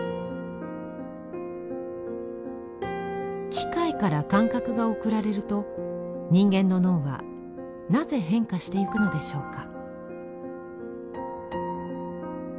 機械から感覚が送られると人間の脳はなぜ変化していくのでしょうか？